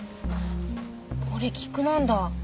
これ菊なんだ。